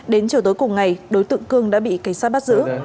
đến chiều tối cùng ngày đối tượng cương đã bị cảnh sát bắt giữ